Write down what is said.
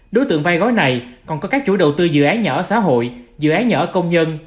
đối tượng vay gói này còn có các chủ đầu tư dự án nhà ở xã hội dự án nhà ở công nhân